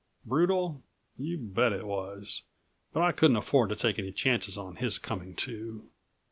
Brutal? You bet it was, but I couldn't afford to take any chances on his coming to.